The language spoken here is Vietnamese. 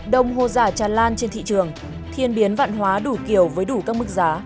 đồng hồ giả tràn lan trên thị trường thiên biến văn hóa đủ kiểu với đủ các mức giá